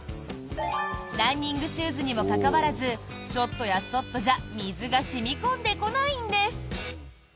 ランニングシューズにもかかわらずちょっとやそっとじゃ水が染み込んでこないんです。